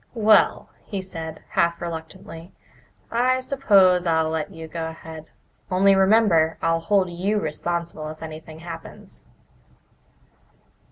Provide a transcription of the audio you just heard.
"Well," he said, half reluctantly, "I suppose I'll let you go ahead. Only remember I'll hold you responsible if anything happens."